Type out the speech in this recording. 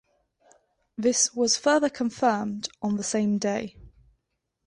This was further confirmed on the same day.